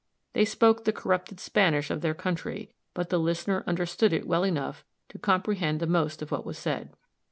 They spoke the corrupted Spanish of their country; but the listener understood it well enough to comprehend the most of what was said.